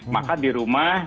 maka di rumah